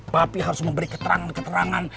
bapi harus memberi keterangan keterangan